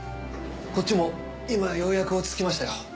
こっちも今ようやく落ち着きましたよ。